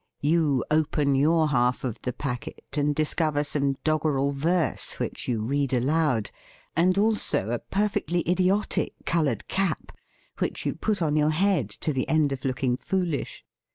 You open your half of the packet, and discover some doggerel verse which you read aloud, and also a perfectly idiotic col oured cap, which you put on your head THE FEAST OF ST FRIEND to the end of looking foolish.